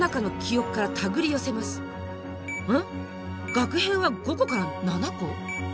がく片は５個から７個？